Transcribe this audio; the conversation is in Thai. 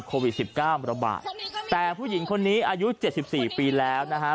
โควิดสิบเก้าระบาดแต่ผู้หญิงคนนี้อายุเจ็ดสิบสี่ปีแล้วนะฮะ